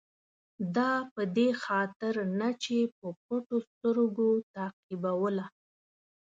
دا په دې خاطر نه چې په پټو سترګو تعقیبوله.